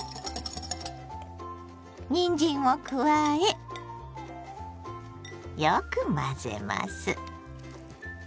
にんじんを加えよく混ぜます。